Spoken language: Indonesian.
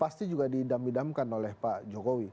pasti juga diidam idamkan oleh pak jokowi